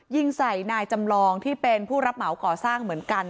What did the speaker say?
ยิงใส่นายจำลองที่เป็นผู้รับเหมาก่อสร้างเหมือนกัน